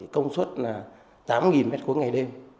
công suất là tám mét khối ngày đêm